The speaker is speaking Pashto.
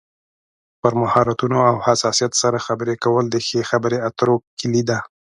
پر مهارتونو او حساسیت سره خبرې کول د ښې خبرې اترو کلي ده.